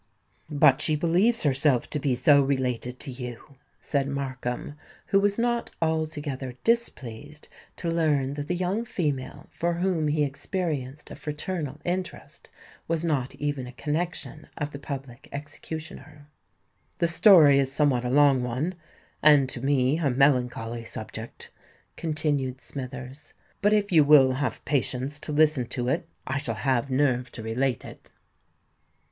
"But she believes herself to be so related to you," said Markham, who was not altogether displeased to learn that the young female for whom he experienced a fraternal interest, was not even a connexion of the Public Executioner. "The story is somewhat a long one—and to me a melancholy subject," continued Smithers; "but if you will have patience to listen to it, I shall have nerve to relate it."